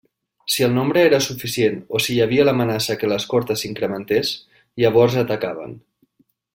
Si el nombre era suficient, o si hi havia l'amenaça que l'escorta s'incrementés, llavors atacaven.